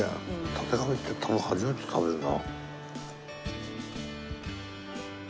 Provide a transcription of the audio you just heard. タテガミって多分初めて食べるな。